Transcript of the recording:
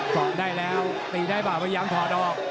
ตอบได้แล้วตีได้ฝัวกว่าไหวย้อมถอดออก